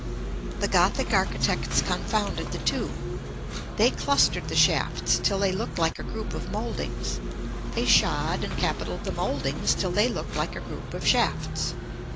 The Gothic architects confounded the two. They clustered the shafts till they looked like a group of mouldings. They shod and capitaled the mouldings till they looked like a group of shafts.